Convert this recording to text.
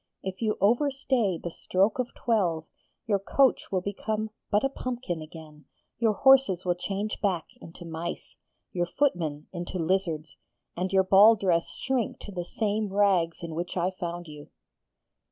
If you over stay the stroke of twelve, your coach will become but a pumpkin again, your horses will change back into mice, your footmen into lizards, and your ball dress shrink to the same rags in which I found you.'